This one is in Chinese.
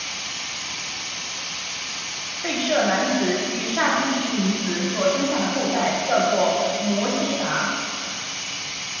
吠舍男子与刹帝利女子所生下的后代叫做摩偈闼。